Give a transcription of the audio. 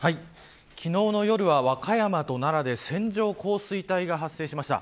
昨日の夜は和歌山と奈良で線状降水帯が発生しました。